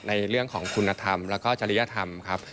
ในเรื่องของคุณธรรมแล้วก็จริยธรรมครับ